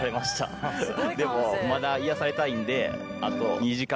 でもまだ癒やされたいんで。